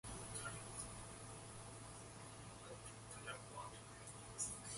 Both were stations along the Peking-Mukden Railway.